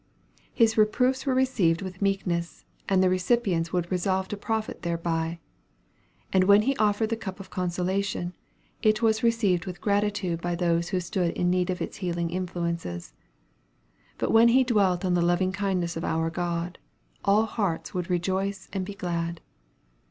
His reproofs were received with meekness, and the recipients would resolve to profit thereby; and when he offered the cup of consolation, it was received with gratitude by those who stood in need of its healing influences. But when he dwelt on the loving kindness of our God, all hearts would rejoice and be glad.